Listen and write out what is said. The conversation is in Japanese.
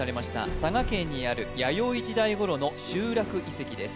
佐賀県にある弥生時代頃の集落遺跡です